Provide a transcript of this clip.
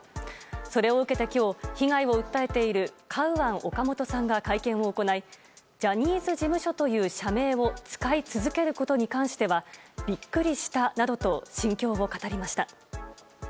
それを受けて今日被害を訴えているカウアン・オカモトさんが会見を行いジャニーズ事務所という社名を使い続けることに関してはビックリしたなどと心境を語りました。